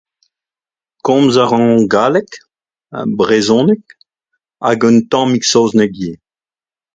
Komz a ran galleg, brezhoneg hag un tammig saozneg ivez.